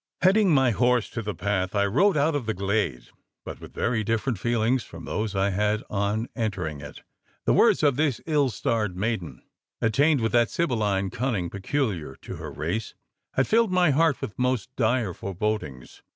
Heading my horse to the path, I rode out of the glade; but with very different feelings from those I had on entering it. The words of this ill starred maiden attainted with that sibylline cunning peculiar to her race had filled my heart with most dire forebodings.